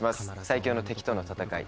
最強の敵との戦い